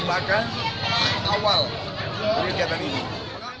yang merupakan awal perikatan ini